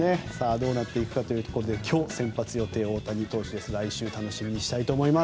どうなっていくかというところで今日先発予定の大谷投手ですが来週期待したいと思います。